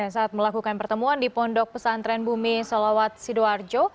saat melakukan pertemuan di pondok pesantren bumi solawat sidoarjo